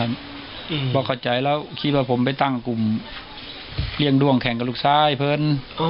อืมบอกเข้าใจแล้วคิดว่าผมไปตั้งกลุ่มเรียงด่วงแข่งกระลุกซ้ายเพลิน